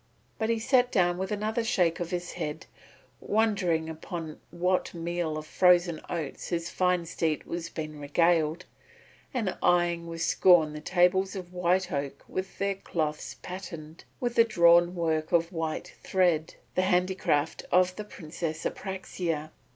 But he sat down with another shake of his head, wondering upon what meal of frozen oats his fine steed was being regaled and eyeing with scorn the tables of white oak with their cloths patterned with drawn work of white thread, the handiwork of the Princess Apraxia.